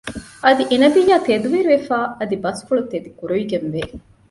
އަދި އެ ނަބިއްޔާ ތެދުވެރިވެފައި އަދި ބަސްފުޅު ތެދު ކުރެވިގެންވޭ